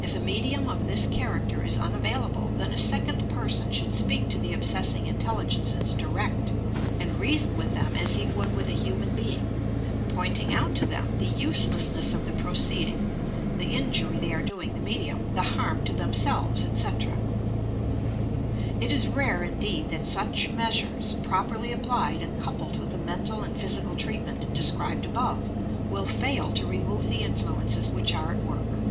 If a medium of this character is un available, then a second person should speak to the ob sessing intelligences direct, and reason with them as he would with a human being, — pointing out to them the uselessness of the proceeding, the injury they are doing the medium, the harm to themselves, etc. It is rare indeed that such measures, properly ap plied and coupled with the mental and physical treat ment, described above, will fail to remove the influences which arc at work.